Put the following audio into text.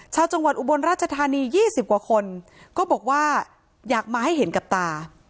ชาวจังหวัดอุบลราชธานี๒๐กว่าคนก็บอกว่าอยากมาให้เห็นกับตา